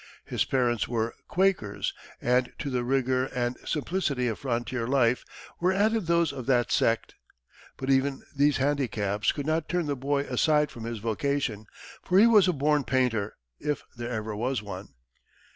His parents were Quakers, and to the rigor and simplicity of frontier life were added those of that sect. But even these handicaps could not turn the boy aside from his vocation, for he was a born painter, if there ever was one.